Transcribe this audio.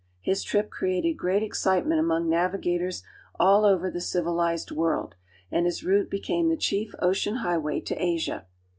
His trip created great excitement among navigators all over the civilized world, and his route became the chief ocean highway to Asia.